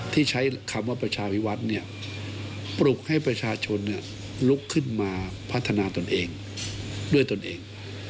ที่ใช้คำว่าประชาวิวัฒน์ปลุกให้ประชาชนลุกขึ้นมาพัฒนาตนเองด้วยตนเอง